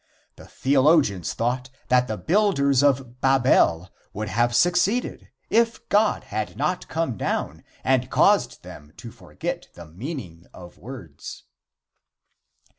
The theologians thought that the builders of Babel would have succeeded if God had not come down and caused them to forget the meaning of words.